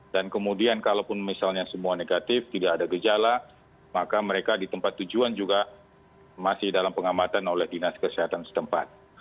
dan kemudian kalau misalnya semua negatif tidak ada gejala maka mereka di tempat tujuan juga masih dalam pengamatan oleh dinas kesehatan setempat